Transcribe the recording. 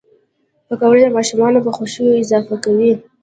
پکورې د ماشومانو په خوښیو اضافه کوي